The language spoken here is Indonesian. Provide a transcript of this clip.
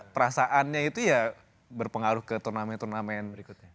perasaannya itu ya berpengaruh ke turnamen turnamen berikutnya